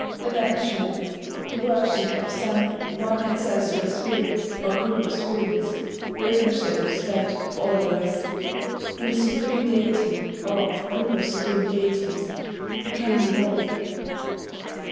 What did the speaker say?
Eventually the worship of some one ancestral spirit, or group of spirits, overshadows that of all the rest; and a supreme deity, or group of supreme deities, becomes evolved.